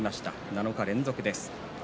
７日連続です。